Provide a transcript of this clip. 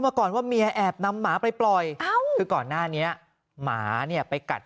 มาก่อนว่าเมียแอบนำหมาไปปล่อยคือก่อนหน้านี้หมาเนี่ยไปกัด